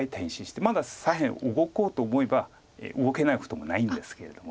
まだ左辺動こうと思えば動けないこともないんですけれども。